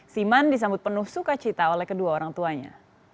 siman disambut penuh sukacita oleh kedua orang tuanya